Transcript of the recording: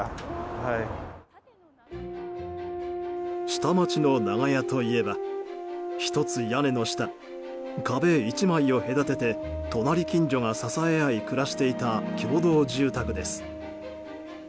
下町の長屋といえばひとつ屋根の下壁１枚を隔てて隣近所が支え合い、暮らしていた共同住宅です。